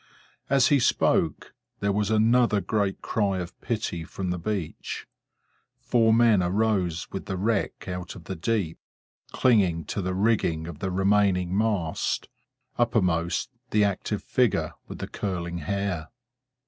As he spoke, there was another great cry of pity from the beach; four men arose with the wreck out of the deep, clinging to the rigging of the remaining mast; uppermost, the active figure with the curling hair.